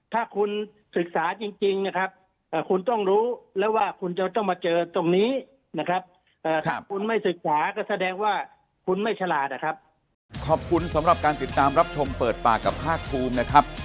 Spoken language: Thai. ถ้าคุณศึกษาจริงนะครับคุณต้องรู้แล้วว่าคุณจะต้องมาเจอตรงนี้นะครับถ้าคุณไม่ศึกษาก็แสดงว่าคุณไม่ฉลาดนะครับ